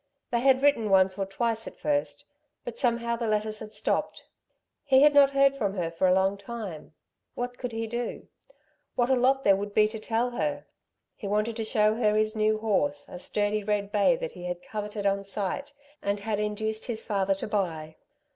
They had written once or twice at first, but somehow the letters had stopped. He had not heard from her for a long time. What could he do? What a lot there would be to tell her. He wanted to show her his new horse, a sturdy red bay that he had coveted on sight and had induced his father to buy.